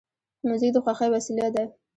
موزیک د خوښۍ وسیله ده.